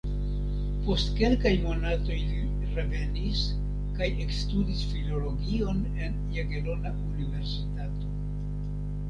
Post kelkaj monatoj li revenis kaj ekstudis filologion en Jagelona Universitato.